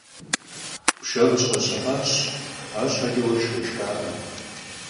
Pşşe khışheşıhaş, arşheç'e vueşşx khêşşxakhım.